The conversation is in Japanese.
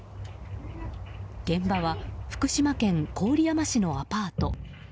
現場は福島県郡山市のアパート。